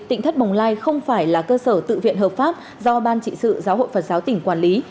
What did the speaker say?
tỉnh thất bồng lai không phải là cơ sở tự viện hợp pháp do ban trị sự giáo hội phật giáo tỉnh quản lý